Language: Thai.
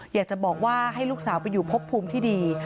อยากจะบอกว่าให้ลูกสาวไปอยู่พบภูมิที่ดี